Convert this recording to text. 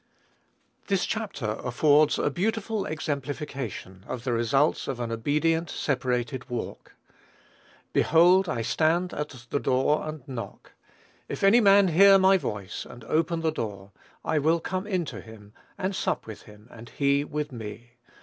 This chapter affords a beautiful exemplification of the results of an obedient, separated walk. "Behold, I stand at the door and knock; if any man hear my voice and open the door, I will come in to him, and sup with him, and he with me."